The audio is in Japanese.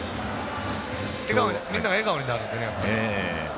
みんなが笑顔になるので、やはり。